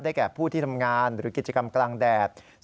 แก่ผู้ที่ทำงานหรือกิจกรรมกลางแดด